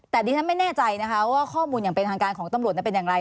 แต่ดิฉันไม่แน่ใจนะคะว่าข้อมูลอย่างเป็นทางการของตำรวจเป็นอย่างไร